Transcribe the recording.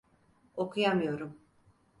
Okuyamıyorum.